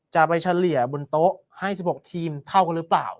จะไปเฉลี่ยบนโต๊ะให้๑๖ทีมเท่ากันหรือเปล่า